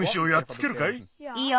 いいよ。